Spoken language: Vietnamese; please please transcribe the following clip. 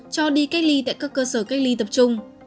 cho đi cách ly tại các cơ sở cách ly tập trung